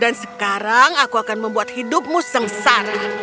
dan sekarang aku akan membuat hidupmu sengsara